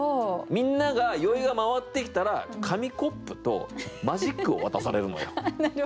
みんなが酔いが回ってきたら紙コップとマジックを渡されるのよ。